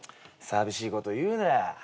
寂しいこと言うなよ。